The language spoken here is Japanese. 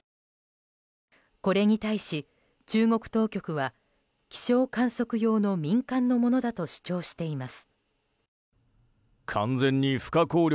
これに対し、中国当局は気象観測用の民間のものだと主張しています。